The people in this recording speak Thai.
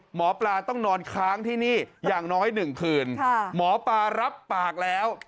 หมอปลาต้องนอนค้างที่นี่อย่างน้อย๑คืนหมอปลารับปากแล้ว